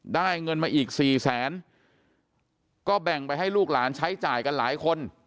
ได้เงินมาอีกสี่แสนก็แบ่งไปให้ลูกหลานใช้จ่ายกันหลายคน